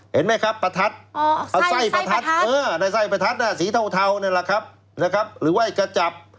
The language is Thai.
เห็นไหมครับประทัดใส่ประทัดสีเทาหรือว่ากระจำ